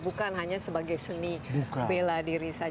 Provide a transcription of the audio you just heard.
bukan hanya sebagai seni bela diri saja